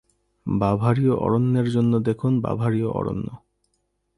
বাভারীয় অরণ্যের জন্য দেখুন: বাভারীয় অরণ্য।